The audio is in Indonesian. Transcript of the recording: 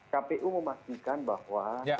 kpu memastikan bahwa